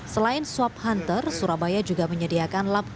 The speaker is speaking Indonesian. selain swap hunter surabaya juga menyediakan lab kondisi